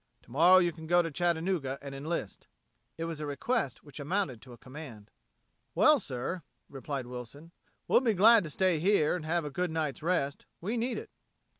Tomorrow you can go to Chattanooga and enlist." It was a request which amounted to a command. "Well, sir," replied Wilson, "we'll be glad to stay here and have a good night's rest. We need it."